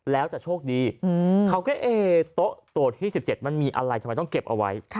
แล้วจะโชคดีเขาก็เอ๊โต๊ะตัวที่๑๗มันมีอะไรทำไมต้องเก็บเอาไว้